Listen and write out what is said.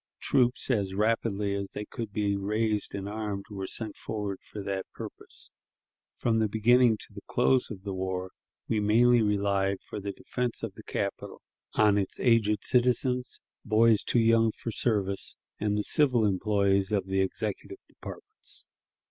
Troops, as rapidly as they could be raised and armed, were sent forward for that purpose. From the beginning to the close of the war, we mainly relied for the defense of the capital on its aged citizens, boys too young for service, and the civil employees of the executive departments.